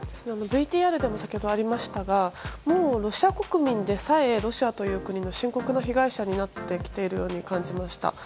ＶＴＲでも先ほどありましたがもうロシア国民でさえロシアという国の深刻な被害者になってきているように感じました。